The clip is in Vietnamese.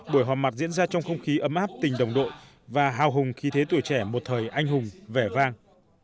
buổi họp mặt diễn ra trong không khí ấm áp tình đồng đội và hào hùng khi thế tuổi trẻ một thời anh hùng vẻ vang